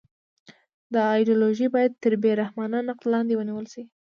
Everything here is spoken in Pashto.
دا ایدیالوژي باید تر بې رحمانه نقد لاندې ونیول شي